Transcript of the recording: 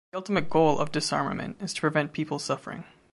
The ultimate goal of disarmament is to prevent people suffering.